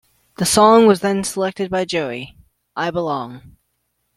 The song was then selected by a jury: I Belong.